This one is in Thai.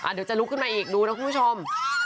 เดี๋ยวจะลุกขึ้นมาอีกดูนะคุณผู้ชม